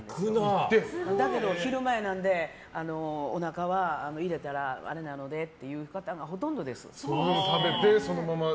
だけど、昼前なのでおなかは入れたらあれなのでっていう方がほとんどです。